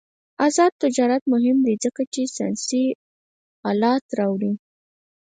آزاد تجارت مهم دی ځکه چې ساینسي آلات راوړي.